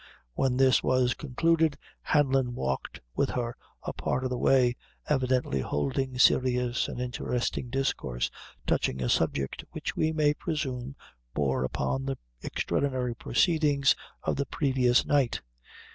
When this was concluded, Hanlon walked with her a part of the way, evidently holding serious and interesting discourse touching a subject which we may presume bore upon the extraordinary proceedings of the previous night.